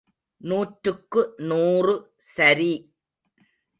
நூற்றுக்கு நூறு சரி!